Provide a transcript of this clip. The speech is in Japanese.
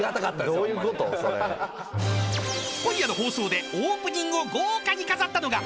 ［今夜の放送でオープニングを豪華に飾ったのが］